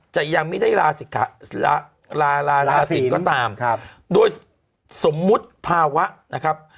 จะยังไม่ได้ลาสินก็ตามครับโดยสมมุติภาวะนะครับ